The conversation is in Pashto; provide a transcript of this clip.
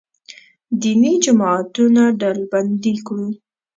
دیني جماعتونه ډلبندي کړو.